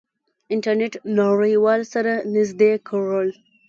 انټرنیټ نړیوال سره نزدې کړل.